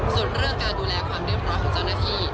ส่วนเรื่องการดูแลความเรียบร้อยของเจ้าหน้าที่